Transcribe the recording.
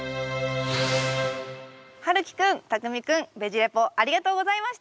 はるきくんたくみくんベジ・レポありがとうございました！